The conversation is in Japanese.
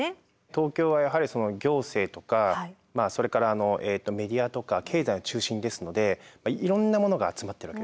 東京はやはりその行政とかそれからメディアとか経済の中心ですのでいろんなものが集まってるわけですよね。